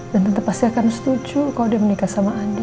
dan tante pasti akan setuju kalau dia menikah sama andi